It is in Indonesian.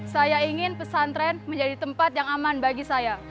saya ingin pesantren menjadi tempat yang aman bagi saya